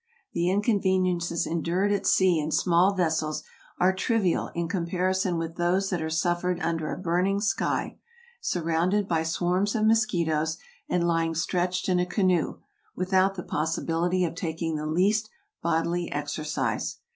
The inconveniences endured at sea in small vessels are trivial in comparison with those that are suffered under a burning sky, surrounded by swarms of mosquitoes, and lying stretched in a canoe, without the possibility of taking the least bodily exercise.